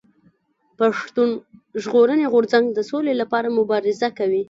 پښتون ژغورني غورځنګ د سولي لپاره مبارزه کوي.